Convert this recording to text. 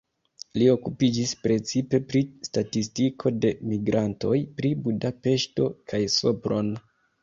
Li okupiĝis precipe pri statistiko de migrantoj, pri Budapeŝto kaj Sopron.